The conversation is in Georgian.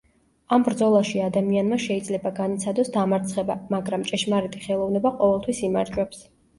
ამ ბრძოლაში ადამიანმა შეიძლება განიცადოს დამარცხება, მაგრამ ჭეშმარიტი ხელოვნება ყოველთვის იმარჯვებს.